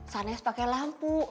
saneh pakai lampu